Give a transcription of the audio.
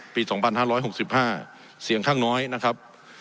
ปีสองพันห้าร้อยหกสิบห้าเสียงข้างน้อยนะครับ